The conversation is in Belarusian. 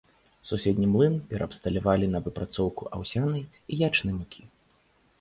Суседні млын пераабсталявалі на выпрацоўку аўсянай і ячнай мукі.